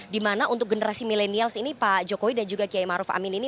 dimana untuk generasi milenials ini pak jokowi dan juga kiai maruf amin ini